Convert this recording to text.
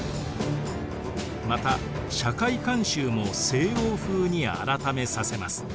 また社会慣習も西欧風に改めさせます。